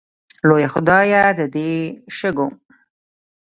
لویه خدایه د دې شګو